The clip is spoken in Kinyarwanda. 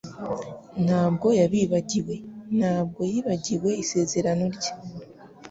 Ntabwo yabibagiwe, ntabwo yibagiwe isezerano rye.